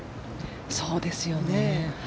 そうですよね。